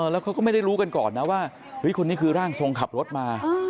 แล้วเขาก็ไม่ได้รู้กันก่อนนะว่าคนนี้คือร่างทรงขับรถมา